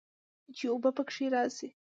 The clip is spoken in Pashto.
چې اوبۀ به پکښې راشي